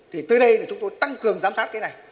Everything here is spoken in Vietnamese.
thì tới đây là chúng tôi tăng cường giám sát cái này